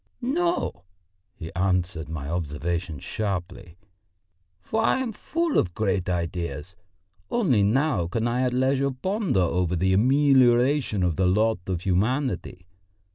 "No!" he answered my observation sharply, "for I am full of great ideas, only now can I at leisure ponder over the amelioration of the lot of humanity.